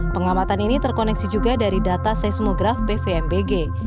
pengamatan ini terkoneksi juga dari data seismograf pvmbg